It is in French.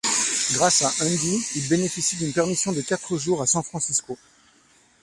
Grâce à Andy, ils bénéficient d'une permission de quatre jours à San Francisco.